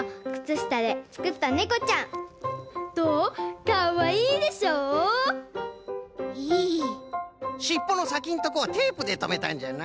しっぽのさきのところをテープでとめたんじゃな。